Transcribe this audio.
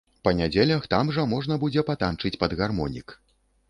Па нядзелях там жа можна будзе патанчыць пад гармонік.